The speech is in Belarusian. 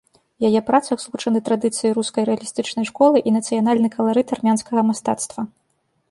У яе працах злучаны традыцыі рускай рэалістычнай школы і нацыянальны каларыт армянскага мастацтва.